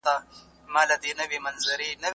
چیناره